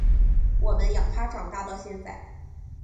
我们养他长大到现在